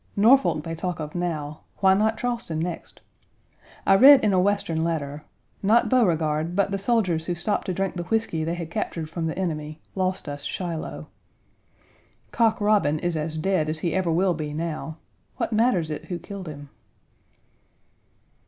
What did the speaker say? Norfolk they talk of now; why not Charleston next? I read in a Western letter, "Not Beauregard, but the soldiers who stopped to drink the whisky they had captured from the enemy, lost us Shiloh." Cock Robin is as dead as he ever will be now; what matters it who killed him?